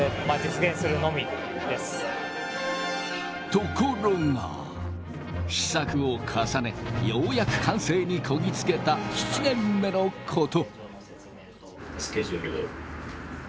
ところが試作を重ねようやく完成にこぎ着けた７年目のこと。